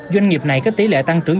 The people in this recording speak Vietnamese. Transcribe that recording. doanh nghiệp này có tỷ lệ tăng trưởng